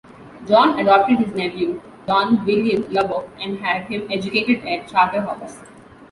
John adopted his nephew, John William Lubbock and had him educated at Charterhouse.